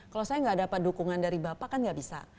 kalau saya nggak dapat dukungan dari bapak kan gak bisa